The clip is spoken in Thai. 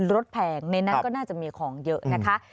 แพงในนั้นก็น่าจะมีของเยอะนะคะ